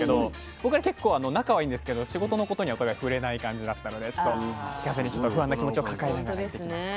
僕ら結構仲はいいんですけど仕事のことにはお互い触れない感じだったのでちょっと聞かずにちょっと不安な気持ちを抱えながらやってきました。